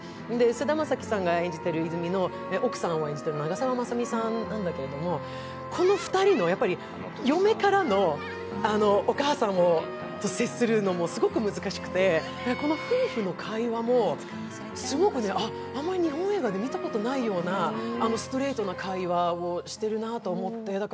菅田将暉さんが演じている泉の奥さんを演じている長澤まさみさんなんだけどこの二人の、嫁からお母さんと接するのもすごく難しくて、夫婦の会話もすごくね、あまり日本映画で見たことがないようなストレートな会話をしているなと思って。